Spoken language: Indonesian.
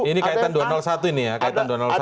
ini kaitan dua ratus satu ini ya kaitan dua ratus satu